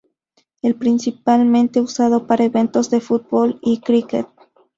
Es principalmente usado para eventos de fútbol o cricket.